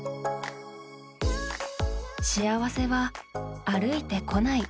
幸せは歩いてこない。